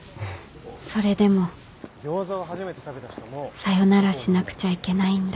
それでもさよならしなくちゃいけないんだ